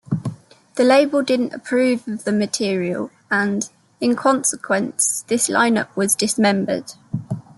The label didn't approve the material and, in consequence this line-up was dismembered.